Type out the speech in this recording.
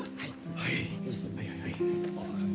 はい！